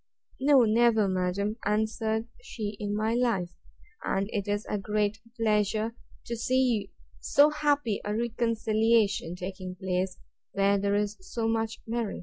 —No, never, madam, answered she, in my life; and it is a great pleasure to see so happy a reconciliation taking place, where there is so much merit.